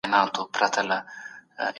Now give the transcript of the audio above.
ښه ذهنیت روغتیا نه زیانمنوي.